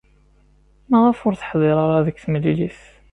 Maɣef ur teḥdiṛ ara deg temlilit?